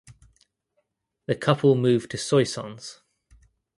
The couple moved to Soissons.